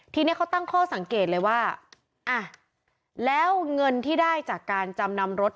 ทีนี้เขาตั้งข้อสังเกตเลยว่าอ่ะแล้วเงินที่ได้จากการจำนำรถ